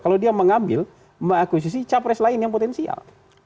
kalau dia mengambil mengakuisisi capres lain yang potensial